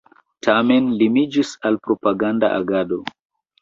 Tamen limiĝis al propaganda agado.